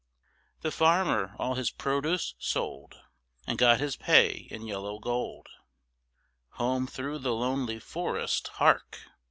The farmer all his produce sold And got his pay in yellow gold: Home through the lonely forest. Hark!